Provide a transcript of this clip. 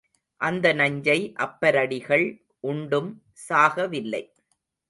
அந்த நஞ்சை அப்பரடிகள் உண்டும் சாகவில்லை.